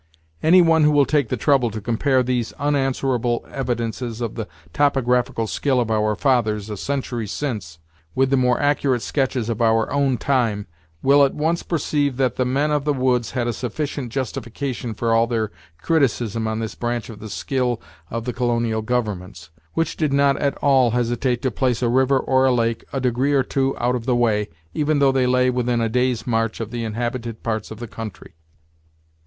Any one who will take the trouble to compare these unanswerable evidences of the topographical skill of our fathers a century since, with the more accurate sketches of our own time, will at once perceive that the men of the woods had a sufficient justification for all their criticism on this branch of the skill of the colonial governments, which did not at all hesitate to place a river or a lake a degree or two out of the way, even though they lay within a day's march of the inhabited parts of the country.